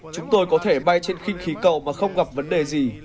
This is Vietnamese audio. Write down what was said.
chúng tôi có thể bay trên khinh khí cầu và không gặp vấn đề gì